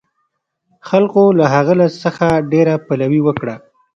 خلکو له هغه څخه ډېره پلوي وکړه.